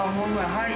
はい。